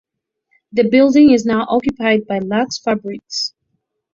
The building is now occupied by Lux Fabrics.